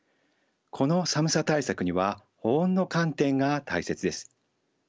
この寒さ対策には保温の観点が大切です。